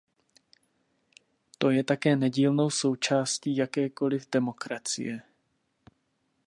To je také nedílnou součástí jakékoliv demokracie.